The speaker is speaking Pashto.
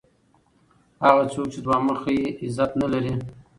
هغه څوک چي دوه مخی يي؛ عزت نه لري.